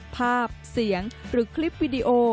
ภาพเสียงหรือคลิปวิดีโอ